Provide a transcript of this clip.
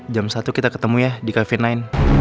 jam satu kita ketemu ya di kevin sembilan